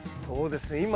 そうですね